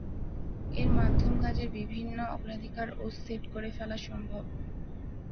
এর মাধ্যমে কাজের বিভিন্ন অগ্রাধিকার ও সেট করে ফেলা সম্ভব।